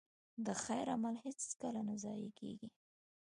د خیر عمل هېڅکله نه ضایع کېږي.